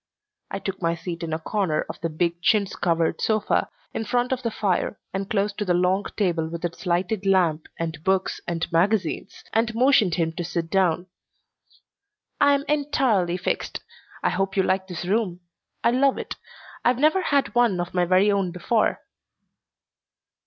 I took my seat in a corner of the big chintz covered sofa in front of the fire and close to the long table with its lighted lamp and books and magazines, and motioned him to sit down. "I'm entirely fixed. I hope you like this room. I love it. I've never had one of my very own before."